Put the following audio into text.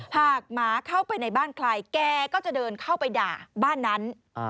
หมาเข้าไปในบ้านใครแกก็จะเดินเข้าไปด่าบ้านนั้น